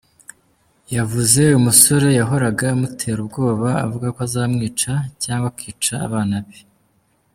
Yavuze uyu musore yahoraga amutera ubwoba avuga ko azamwica cyangwa akica abana be.